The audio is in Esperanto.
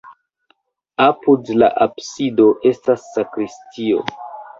Apud la absido estas sakristio.